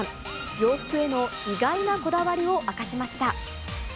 洋服への意外なこだわりを明かしました。